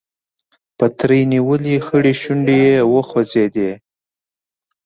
پتري نيولې خړې شونډې يې وخوځېدې.